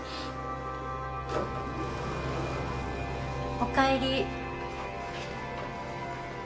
おかえり。